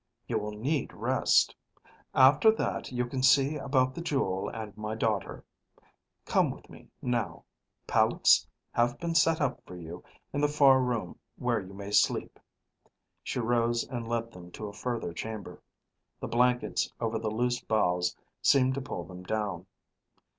"You will need rest. After that you can see about the jewel and my daughter. Come with me, now. Pallets have been set up for you in the far room where you may sleep." She rose and led them to a further chamber. The blankets over the loose boughs seemed to pull them down.